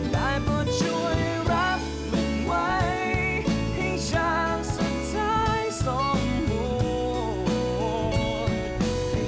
ได้หมดช่วยรับมันไว้ให้ช้างสุดท้ายสมมติ